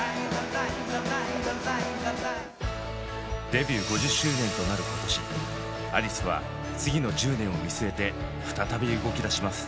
デビュー５０周年となる今年アリスは次の１０年を見据えて再び動きだします。